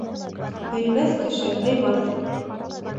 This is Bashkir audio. Һөймәҫ кеше һыймаҫ.